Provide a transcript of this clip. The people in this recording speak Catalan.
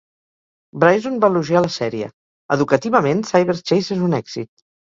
Bryson va elogiar la sèrie: "Educativament, "Cyberchase" és un èxit".